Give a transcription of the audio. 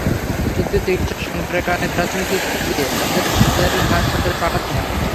কিন্তু চিকিৎসক সংকটের কারণে প্রাথমিক চিকিৎসা দিয়ে তাদের জেলা হাসপাতালে পাঠাতে হয়।